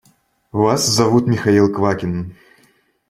Вас зовут Михаил Квакин.